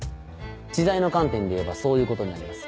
知財の観点でいえばそういうことになります。